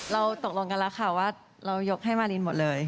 เราตกลงกันแล้วค่ะว่าเรายกให้มารินหมดเลย